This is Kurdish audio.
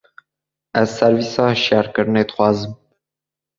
Ez servîsa hişyarkirinê dixwazim.